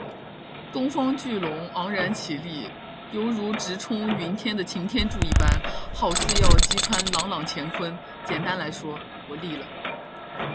东方巨龙昂然起立，犹如直冲云天的擎天柱一般，好似要击穿朗朗乾坤，简单来说，我立了